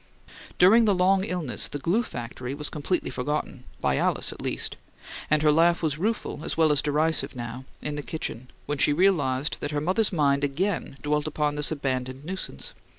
During the long illness the "glue factory" was completely forgotten, by Alice at least; and her laugh was rueful as well as derisive now, in the kitchen, when she realized that her mother's mind again dwelt upon this abandoned nuisance.